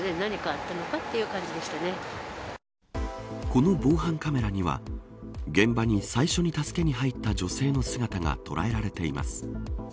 この防犯カメラには現場に最初に助けに入った女性の姿が捉えられています。